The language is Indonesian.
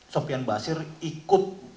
sofian basir ikut